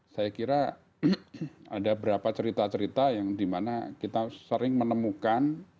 saya kira ada berapa cerita cerita yang dimana kita sering menemukan